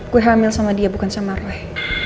gue hamil sama dia bukan sama roy